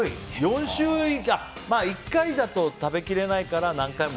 １回だと食べ切れないから何回も。